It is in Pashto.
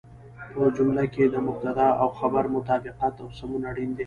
په جمله کې د مبتدا او خبر مطابقت او سمون اړين دی.